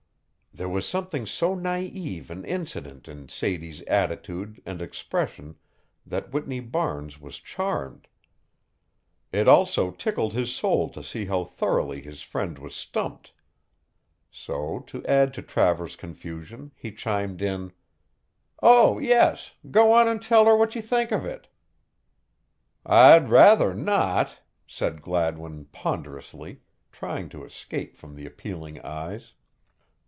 There was something so naïve and innocent in Sadie's attitude and expression that Whitney Barnes was charmed. It also tickled his soul to see how thoroughly his friend was stumped. So to add to Travers's confusion he chimed in: "Oh, yes, go on and tell her what you think of it." "I'd rather not," said Gladwin ponderously, trying to escape from the appealing eyes.